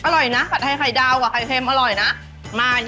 อร่อยนะผัดไทยไข่ดาวกับไข่เค็มอร่อยนะ